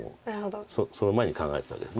その前に考えてたわけです。